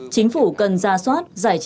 chính phủ cần ra soát giải trình